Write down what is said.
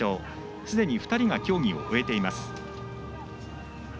すでに２人が競技を終えています。